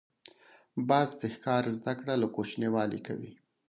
باز د ښکار زده کړه له کوچنیوالي کوي